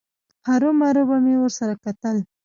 هرومرو به مې ورسره کتل.